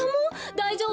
だいじょうぶ？